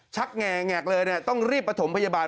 ชักแงงแงกเลยเนี่ยต้องรีบประถมพยาบาล